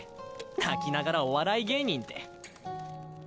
泣きながらお笑い芸人って。